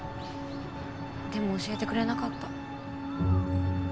でも教えてくれなかった。